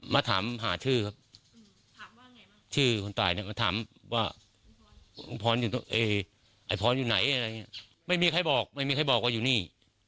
มาถามหาชื่อครับชื่อคนตายเนี่ยก็ถามว่าไอ้พรอยู่ไหนอะไรอย่างนี้ไม่มีใครบอกไม่มีใครบอกว่าอยู่นี่